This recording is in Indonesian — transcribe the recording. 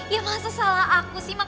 ya masa salah aku sih